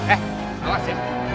eh awas ya